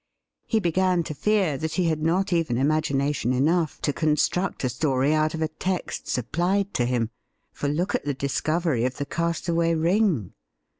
He began to fear that he had not even imagination enough to construct a story out of a text sup plied to him. For look at the discovery of the cast away ring